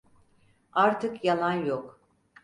Artık yalan yok.